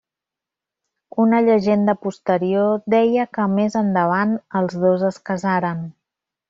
Una llegenda posterior deia que més endavant els dos es casaren.